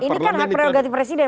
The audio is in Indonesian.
ini kan hak prerogatif presiden